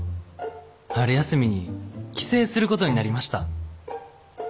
春休みに帰省することになりました。